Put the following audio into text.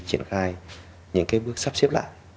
triển khai những bước sắp xếp lại